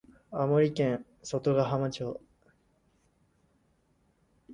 青森県外ヶ浜町